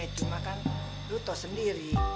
cuma kan lu tau sendiri